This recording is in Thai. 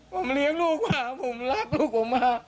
ผมเลี้ยงลูกผมลากลูกผมมา